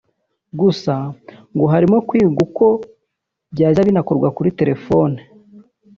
gusa ngo harimo kwigwa uko byajya binakorerwa kuri terefone